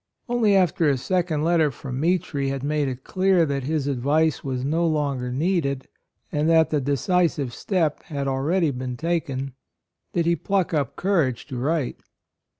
Only after a second letter from Mitri had made it clear that his advice was no longer needed, and that the decisive step had already been taken, did he pluck up AND MOTHER. 61 courage to write.